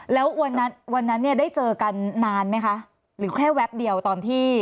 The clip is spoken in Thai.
แล้ววันนั้นวันนั้นเนี่ยได้เจอกันนานไหมคะหรือแค่แป๊บเดียวตอนที่